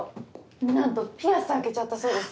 なんとピアス開けちゃったそうです